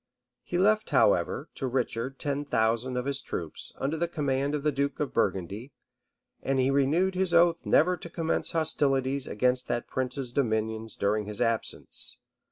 He left however, to Richard ten thousand of his troops, under the command of the duke of Burgundy; and he renewed his oath never to commence hostilities against that prince's dominions during his absence.